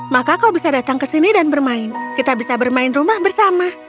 maka kau bisa datang ke sini dan bermain kita bisa bermain rumah bersama